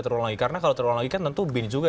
karena kalau terlalu lagi kan tentu bin juga